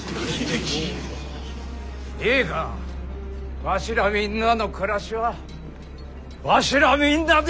ええかわしらみんなの暮らしはわしらみんなで守るんじゃ！